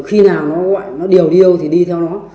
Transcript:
khi nào nó đều đêu thì đi theo nó